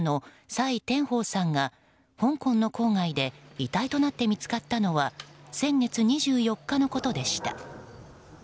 サイ・テンホウさんが香港の郊外で遺体となって見つかったのは先月２４日のことでした。